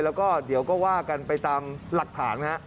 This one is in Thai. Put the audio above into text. แล้วก็เดี๋ยวก็ว่ากันไปตามหลักฐานฮะ